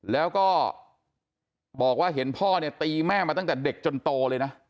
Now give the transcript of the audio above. แล้วก็บอกว่าเห็นพ่อเนี่ยตีแม่มาตั้งแต่เด็กจนโตเลยนะ